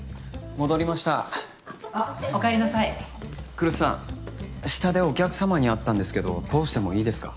来栖さん下でお客様に会ったんですけど通してもいいですか？